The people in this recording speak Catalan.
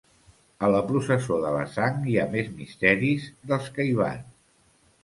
A la Processó de la Sang hi ha més misteris dels que hi van.